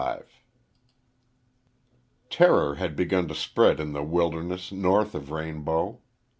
XXXV TERROR had begun to spread in the wilderness north of Rainbow.